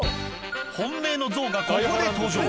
本命のゾウがここで登場。